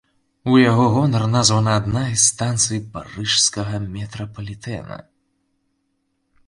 У яго гонар названа адна з станцый парыжскага метрапалітэна.